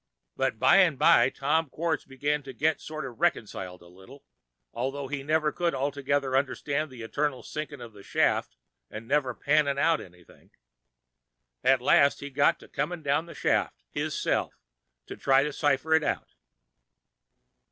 But by an' by Tom Quartz begin to git sort of reconciled a little, though he never could altogether understand that eternal sinkin' of a shaft an' never pannin' out anything. At last he got to comin' down in the shaft, hisself, to try to cipher it out.